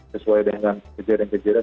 sesuai dengan kejadian kejadian